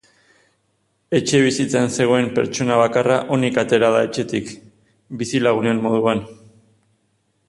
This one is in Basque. Etxebizitzan zegoen pertsona bakarra onik atera da etxetik, bizilagunen moduan.